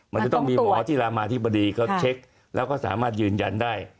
มันจะต้องมีหมอที่รามาธิบดีเขาเช็คแล้วก็สามารถยืนยันได้